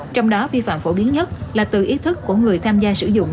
trong đó vi phạm phổ biến nhất là từ ý thức của người tham gia sử dụng